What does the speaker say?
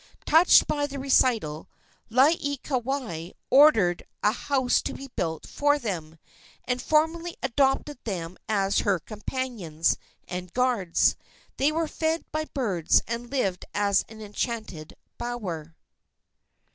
Touched by the recital, Laieikawai ordered a house to be built for them, and formally adopted them as her companions and guards. They were fed by birds and lived as in an enchanted bower.